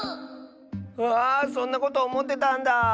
うわあそんなことおもってたんだあ。